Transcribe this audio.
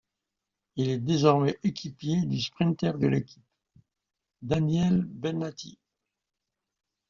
Il est désormais équipier du sprinter de l'équipe, Daniele Bennati.